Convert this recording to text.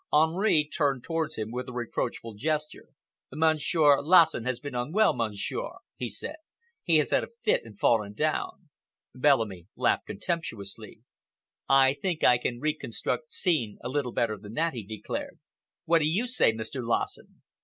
Henri turned towards him with a reproachful gesture. "Monsieur Lassen has been unwell, Monsieur," he said. "He has had a fit and fallen down." Bellamy laughed contemptuously. "I think I can reconstruct the scene a little better than that," he declared. "What do you say, Mr. Lassen?"